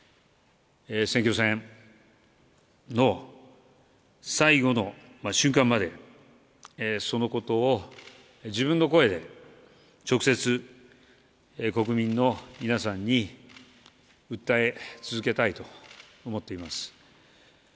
選挙戦の最後の瞬間まで、そのことを自分の声で直接国民の皆さんに訴え続けたいと思っています。